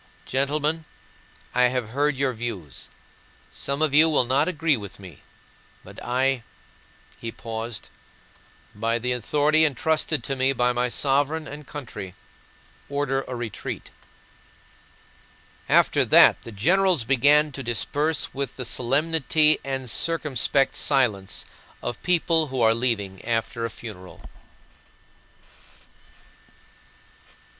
"Gentlemen, I have heard your views. Some of you will not agree with me. But I," he paused, "by the authority entrusted to me by my Sovereign and country, order a retreat." After that the generals began to disperse with the solemnity and circumspect silence of people who are leaving, after a funeral.